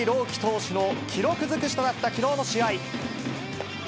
希投手の記録尽くしとなったきのうの試合。